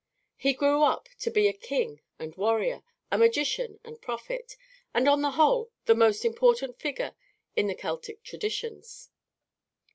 He grew up to be a king and warrior, a magician and prophet, and on the whole the most important figure in the Celtic traditions.